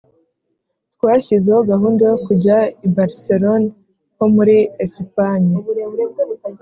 twashyizeho gahunda yo kujya i Barcelone ho muri Esipanye